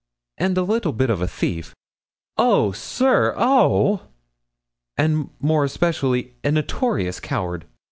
"And a little bit of a thief." "Oh, sir! oh!" "And, more especially, a notorious coward."